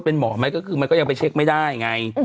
เป็นหมอไหมก็คือมันก็ยังไปเช็คไม่ได้ไง